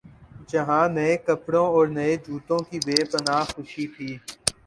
جہاں نئے کپڑوں اورنئے جوتوں کی بے پنا ہ خوشی تھی۔